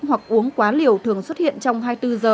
hoặc uống quá liều thường xuất hiện trong hai mươi bốn giờ